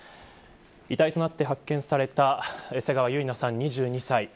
遺体となって発見された瀬川結菜さん、２２歳。